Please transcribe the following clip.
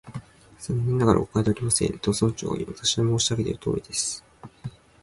「残念ながら、誤解ではありません」と、村長がいう。「私が申し上げているとおりです」